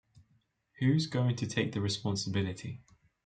Who's going to take the responsibility?